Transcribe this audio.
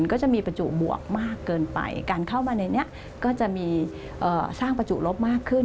ก็จะมีบรรจุบวกมากเกินไปการเข้ามาในนี้ก็จะมีสร้างประจุลบมากขึ้น